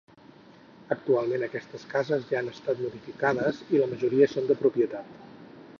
Actualment aquestes cases ja han estat modificades i la majoria són de propietat.